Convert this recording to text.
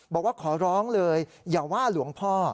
บอกว่าขอร้องเลยอย่าว่าหลวงพ่อ